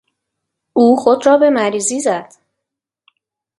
او خود را به مریضی زد.